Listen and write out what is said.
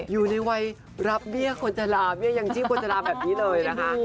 อยู่ในวัยรับเบี้ยคนชะลาเบี้ยยังชีพโฆษณาแบบนี้เลยนะคะ